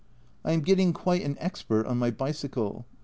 I am getting quite an expert on my bicycle.